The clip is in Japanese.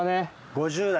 ５０代。